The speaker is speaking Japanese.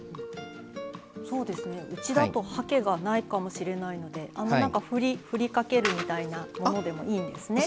そうですねうちだとはけがないかもしれないのでふりかけるみたいなものでもいいんですね。